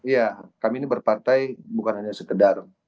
ya kami ini berpartai bukan hanya sekedar